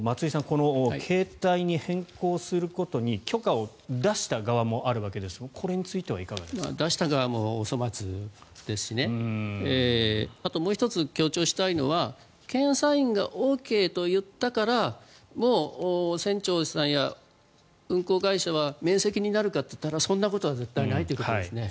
この携帯に変更することに許可を出した側もあるわけですが出した側もお粗末ですしあともう１つ強調したいのは検査員がＯＫと言ったからもう船長さんや運航会社は免責になるかといったらそんなことは絶対にないということですね。